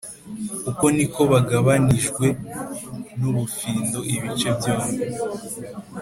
Uko ni ko bagabanijwe n ubufindo ibice byombi